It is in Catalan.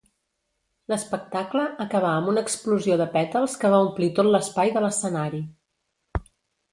L'espectacle acabà amb una explosió de pètals que va omplir tot l'espai de l'escenari.